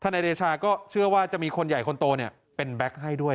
นายเดชาก็เชื่อว่าจะมีคนใหญ่คนโตเป็นแก๊กให้ด้วย